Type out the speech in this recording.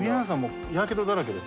やけどだらけです。